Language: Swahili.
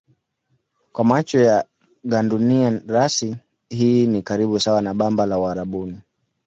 Kwa macho ya gandunia rasi hii ni karibu sawa na bamba la Uarabuni.